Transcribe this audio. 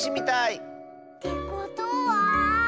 ってことは。